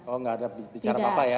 oh nggak ada bicara apa apa ya